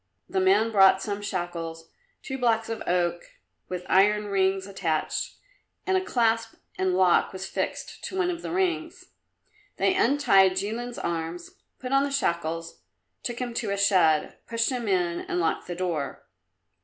The man brought some shackles, two blocks of oak with iron rings attached, and a clasp and lock was fixed to one of the rings. They untied Jilin's arms, put on the shackles, took him to a shed, pushed him in and locked the door.